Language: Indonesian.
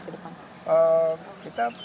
ke depan kita